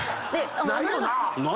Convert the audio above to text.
ないよな？